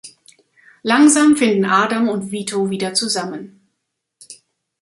Langsam finden Adam und Vito wieder zusammen.